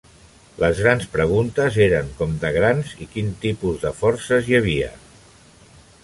Les grans preguntes eren com de grans i quin tipus de forces hi havia.